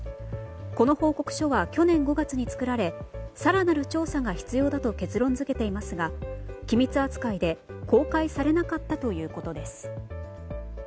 この報告書は去年５月に作られ更なる調査が必要だと結論付けていますが機密扱いで公開されなかったということです。